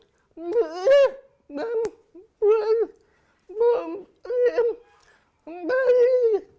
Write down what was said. yang dibangkitkan dengan zheng yunlin negeri dengan utama balon coba lebih pristirihai dalam ketinggian di video